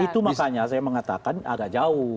itu makanya saya mengatakan agak jauh